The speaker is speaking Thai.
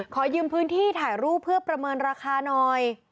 ขอยืมพื้นที่ถ่ายรูปเพื่อประเมินราคาหน่อย